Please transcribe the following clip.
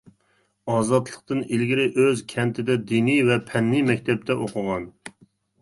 ئازادلىقتىن ئىلگىرى ئۆز كەنتىدە دىنى ۋە پەننى مەكتەپتە ئوقۇغان.